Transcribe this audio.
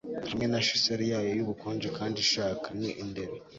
hamwe na chisel yayo y'ubukonje kandi ishaka.ni indero